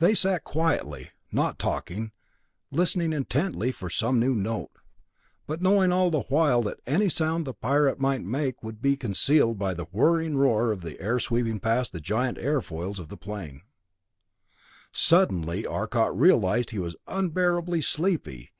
They sat quietly, not talking, listening intently for some new note, but knowing all the while that any sound the Pirate might make would be concealed by the whirring roar of the air sweeping past the giant airfoils of the plane. Suddenly Arcot realized he was unbearably sleepy.